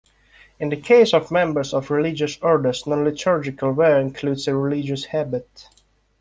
In the case of members of religious orders, non-liturgical wear includes a religious habit.